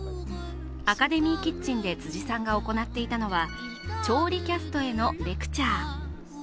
アカデミーキッチンで辻さんが行っていたのは調理キャストへのレクチャー。